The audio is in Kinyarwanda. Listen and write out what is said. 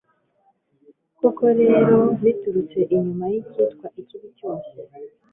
koko rero birutse inyuma y'icyitwa ikibi cyose